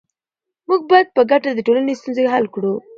موږ باید په ګډه د ټولنې ستونزې حل کړو.